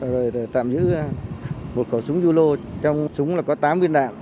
rồi tạm giữ một khẩu súng dư lô trong súng là có tám viên đạn